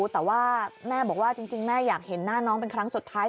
แต่ว่าแม่บอกว่าจริงแม่อยากเห็นหน้าน้องเป็นครั้งสุดท้าย